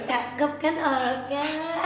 tuh cakep kan olga